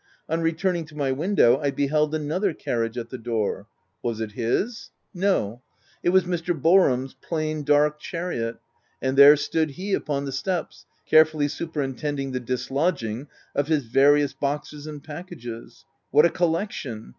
On returning to my win dow, I beheld another carriage at the door. Was it his ? No ; it was Mr. Boarham's plain, dark chariot; and there stood he upon the steps, carefully superintending the dislodging p 3 322 THE TENANT of his various boxes and packages. What a collection